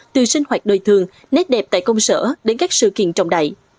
từ sinh hoạt đời thường nét đẹp tại công sở đến các sự kiện trọng đại